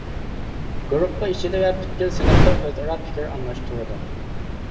گۇرۇپپا ئىچىدە ۋە پۈتكۈل سىنىپتا ئۆزئارا پىكىر ئالماشتۇرىدۇ.